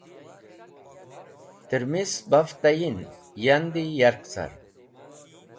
Tẽrmis baf tayin andi yark car.